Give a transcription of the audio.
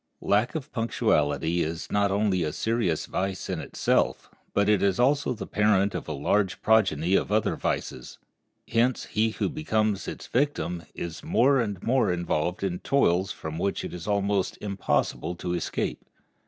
Lack of punctuality is not only a serious vice in itself, but it is also the parent of a large progeny of other vices. Hence he who becomes its victim is the more and more involved in toils from which it is almost impossible to escape.